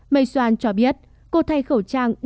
may xuan cho biết cô thay khẩu trang